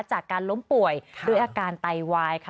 จากการล้มป่วยด้วยอาการไตวายค่ะ